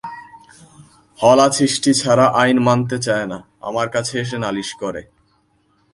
হলা ছিষ্টিছাড়া আইন মানতে চায় না, আমার কাছে এসে নালিশ করে।